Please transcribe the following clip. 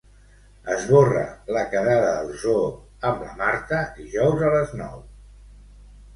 Esborra la quedada al zoo amb la Marta dijous a les nou.